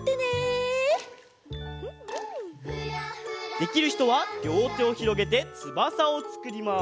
できるひとはりょうてをひろげてつばさをつくります。